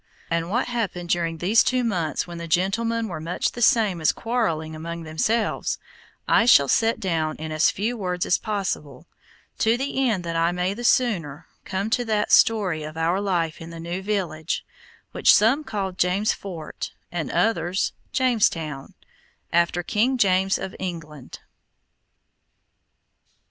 And what happened during these two months when the gentlemen were much the same as quarreling among themselves, I shall set down in as few words as possible, to the end that I may the sooner come to that story of our life in the new village, which some called James Fort, and others James Town, after King James of England.